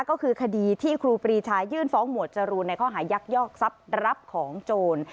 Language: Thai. ก็คือคดีที่ครูปรีชายื่นฟ้องหมวดจรูนในข้อหายักยอกทรัพย์รับของโจร